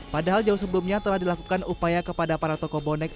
padahal jauh sebelumnya telah dilakukan upaya kepada para tokoh bonek